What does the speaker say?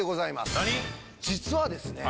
実はですね